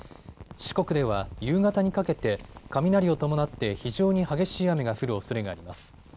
四国では夕方にかけて雷を伴って非常に激しい雨が降るおそれがあります。